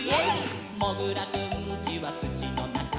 「もぐらくんちはつちのなか」「」